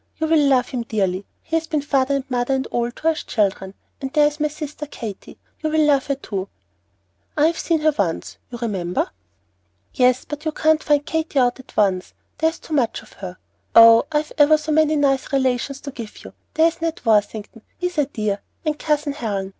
You will love him dearly. He has been father and mother and all to us children. And there's my sister Katy, you will love her too." "I have seen her once, you remember." "Yes; but you can't find Katy out at once, there is too much of her. Oh, I've ever so many nice relations to give you. There's Ned Worthington; he's a dear, and Cousin Helen.